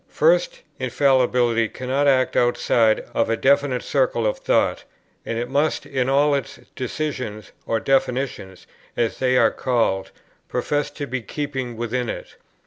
First, Infallibility cannot act outside of a definite circle of thought, and it must in all its decisions, or definitions, as they are called, profess to be keeping within it.